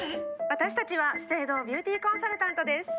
私たちは資生堂ビューティーコンサルタントです。